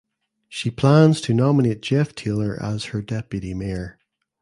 She plans to nominate Geoff Taylor as her deputy mayor.